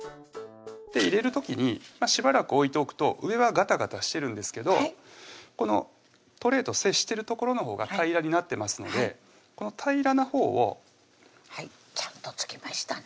入れる時にしばらく置いておくと上はガタガタしてるんですけどこのトレーと接してる所のほうが平らになってますのでこの平らなほうをちゃんと付きましたね